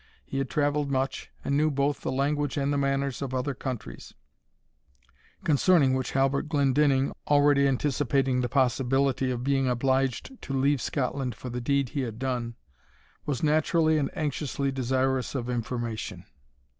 He had travelled much, and knew both the language and manners of other countries, concerning which Halbert Glendinning, already anticipating the possibility of being obliged to leave Scotland for the deed he had done, was naturally and anxiously desirous of information.